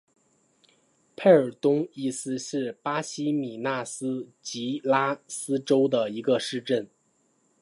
佩尔东伊斯是巴西米纳斯吉拉斯州的一个市镇。